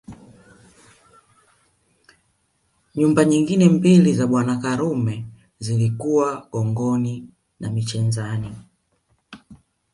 Nyumba nyingine mbili za Bwana Karume zilikuwa Gongoni na Michenzani